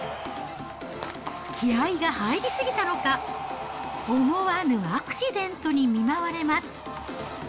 気合いが入り過ぎたのか、思わぬアクシデントに見舞われます。